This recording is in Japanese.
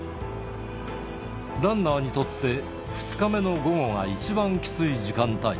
ランナーにとって、２日目の午後が一番きつい時間帯。